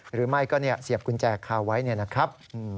หรือไม่ก็เสียบกุญแจคาไว้เนี่ยนะครับ